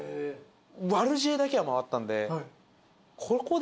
悪知恵だけは回ったんで。